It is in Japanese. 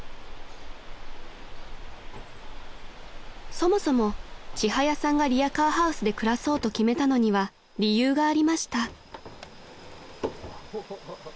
［そもそもちはやさんがリアカーハウスで暮らそうと決めたのには理由がありました］